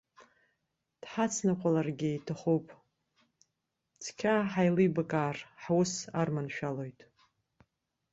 Дҳацныҟәаларцгьы иҭахуп, цқьа ҳаилибакаар, ҳус арманшәалоит.